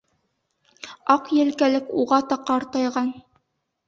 Аҡ Елкәлек уғата ҡартайған.